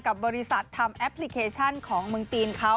กับบริษัททำแอปพลิเคชันของเมืองจีนเขา